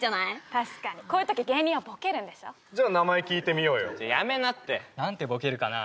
確かにこういうとき芸人はボケるんでしょ・じゃあ名前聞いてみようよ・やめなって何てボケるかな？